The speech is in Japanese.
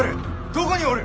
どこにおる？